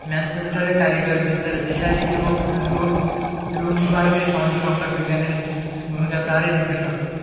ম্যানচেস্টারের কারিগরি বিদ্যার দিশারি এবং লুন্ডবার্গের সামাজিক সংকটে বিজ্ঞানের ভূমিকা তারই নিদর্শন।